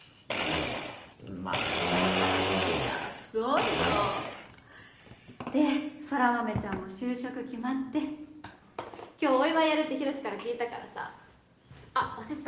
まあいやすごいよで空豆ちゃんも就職決まって今日お祝いやるって博から聞いたからさあっ忘れてた